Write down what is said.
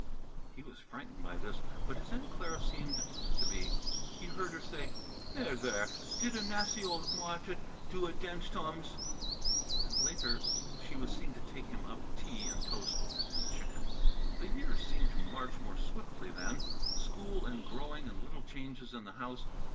He was frightened by this, but his Aunt Clara seemed not to be. He heard her say, "There, there! Did a nassy ol' martet do adainst 'ums!" And later she was seen to take him up tea and toast and chicken. The years seemed to march more swiftly then school and growing and little changes in the house.